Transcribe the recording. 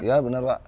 ya benar pak